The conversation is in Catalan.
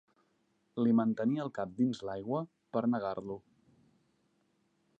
Li mantenia el cap dins l'aigua per negar-lo.